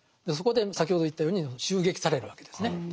そこで先ほど言ったように襲撃されるわけですね。